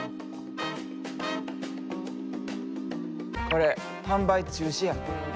これ販売中止や。